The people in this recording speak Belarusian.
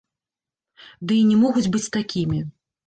Ды й не могуць быць такімі.